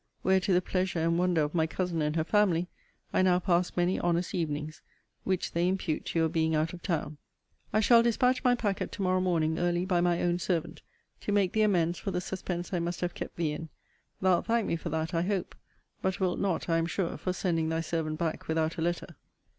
Where, to the pleasure and wonder of my cousin and her family, I now pass many honest evenings: which they impute to your being out of town. I shall dispatch my packet to morrow morning early by my own servant, to make thee amends for the suspense I must have kept thee in: thou'lt thank me for that, I hope; but wilt not, I am sure, for sending thy servant back without a letter.